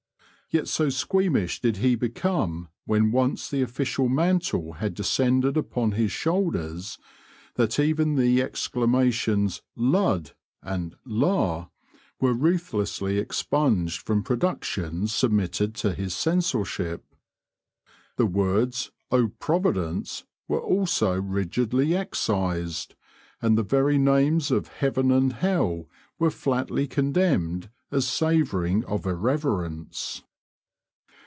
Yet so squeamish did he become when once the official mantle had descended upon his shoulders, that even the exclamations "lud!" and "la!" were ruthlessly expunged from productions submitted to his censorship. The words "Oh, Providence!" were also rigidly excised, and the very names of heaven and hell were flatly condemned as savouring of irreverence.